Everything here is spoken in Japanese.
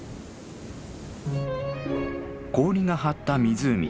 氷が張った湖。